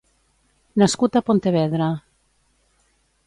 Nascut a Pontevedra.